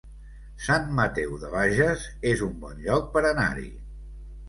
Sant Mateu de Bages es un bon lloc per anar-hi